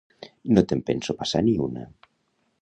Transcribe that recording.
No te'n penso passar ni una!